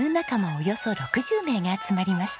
およそ６０名が集まりました。